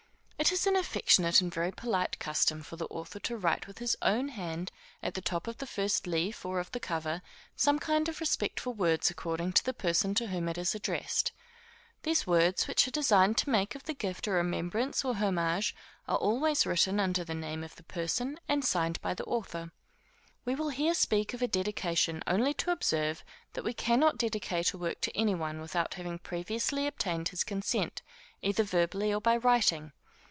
It is an affectionate and very polite custom for the author to write with his own hand at the top of the first leaf or of the cover, some kind or respectful words, according to the person to whom it is addressed. These words, which are designed to make of the gift a remembrance or homage, are always written under the name of the person, and signed by the author. We will here speak of a dedication only to observe, that we cannot dedicate a work to any one, without having previously obtained his consent, either verbally or by writing.